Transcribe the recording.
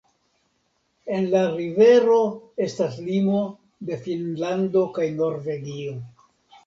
En la rivero estas limo de Finnlando kaj Norvegio.